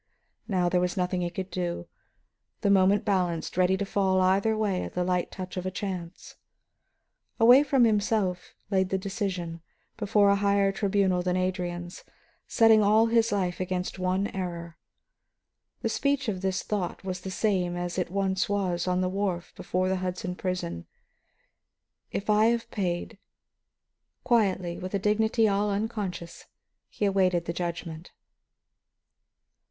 Now there was nothing he could do; the moment balanced, ready to fall either way at the light touch of chance. Away from himself he laid the decision, before a higher tribunal than Adrian's, setting all his life against one error. The speech of his thought was the same as it once was on the wharf before the Hudson prison: "If I have paid " Quietly, with a dignity all unconscious, he awaited the judgment.